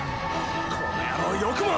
この野郎よくも！